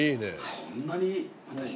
そんなに？